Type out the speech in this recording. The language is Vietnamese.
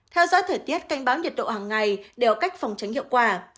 theo dõi thể tiết canh báo nhiệt độ hàng ngày đều có cách phòng tránh hiệu quả